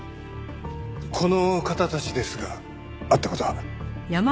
この方たちですが会った事は？